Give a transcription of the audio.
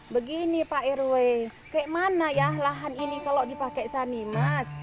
begini pak rw kayak mana ya lahan ini kalau dipakai sanimas